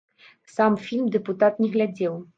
Сам фільм дэпутат не глядзеў.